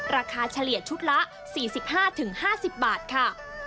เฉลี่ยชุดละ๔๕๕๐บาทค่ะ